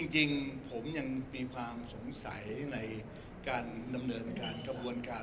จริงผมยังมีความสงสัยในการดำเนินการกระบวนการ